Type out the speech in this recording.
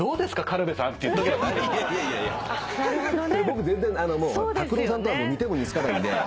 僕全然拓郎さんとは似ても似つかないんで。